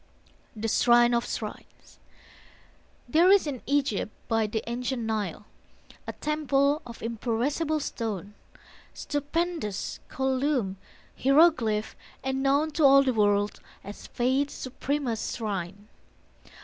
THE SHRINE OF SHRINES There is in Egypt by the ancient Nile A temple of imperishable stone, Stupendous, columned, hieroglyphed, and known To all the world as Faith's supremest shrine.